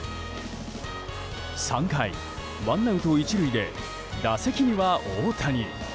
３回、ワンアウト１塁で打席には大谷。